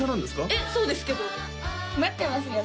えっそうですけど待ってますよね？